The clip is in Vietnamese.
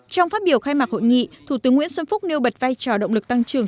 trong phát biểu khai mạc hội nghị thủ tướng nguyễn xuân phúc nêu bật vai trò động lực tăng trưởng